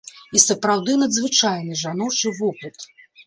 І сапраўды надзвычайны жаночы вопыт.